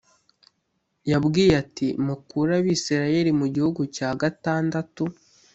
yabwiye ati Mukure Abisirayeli mu gihugu cya gatandatu